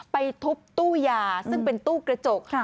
ไปทุบตู้ยาซึ่งเป็นตู้กระจก